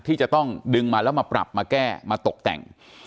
ที่จะต้องดึงมาแล้วมาปรับมาแก้มาตกแต่ง